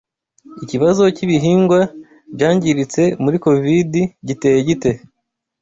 Ikibazo cy’ibihingwa byangiritse muri covidi giteye gite